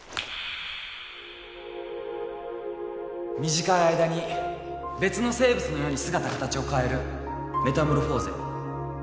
短い間に別の生物のように姿形を変えるメタモルフォーゼ。